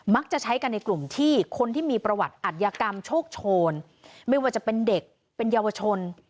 ใช้กันในกลุ่มที่คนที่มีประวัติอัธยกรรมโชคโชนไม่ว่าจะเป็นเด็กเป็นเยาวชน